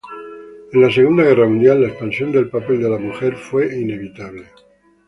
En la Segunda Guerra Mundial, la expansión del papel de la mujer fue inevitable.